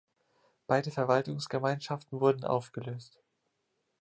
Beide Verwaltungsgemeinschaften wurden aufgelöst.